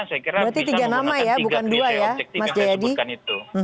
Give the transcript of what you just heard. berarti tiga nama ya bukan dua ya mas jayadi